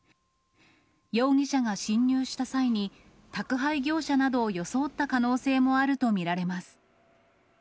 容疑者が侵入した際に、宅配業者などを装った可能性もあると見られます。